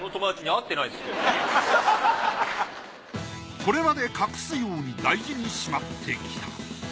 これまで隠すように大事にしまってきた。